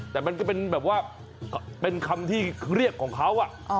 แต่มันก็เป็นแบบว่าเป็นคำที่เรียกของเขา